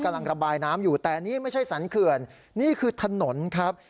กำลังระบายน้ำอยู่แต่นี่ไม่ใช่สรรเขื่อนนี่คือถนนครับ